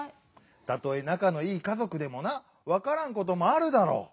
たとえなかのいいかぞくでもなわからんこともあるだろう。